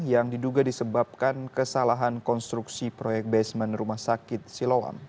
yang diduga disebabkan kesalahan konstruksi proyek basement rumah sakit siloam